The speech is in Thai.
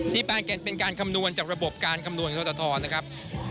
นี่เป็นการคำนวณจากระบบการคำนวณทรนะครับ